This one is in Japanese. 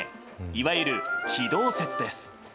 いわゆる地動説です。